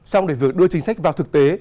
xong để việc đưa chính sách vào thực tế